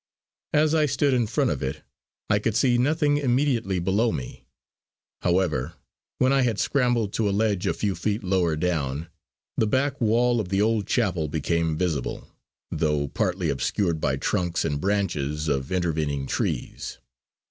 As I stood in front of it, I could see nothing immediately below me; however, when I had scrambled to a ledge a few feet lower down, the back wall of the old chapel became visible, though partly obscured by trunks and branches of intervening trees.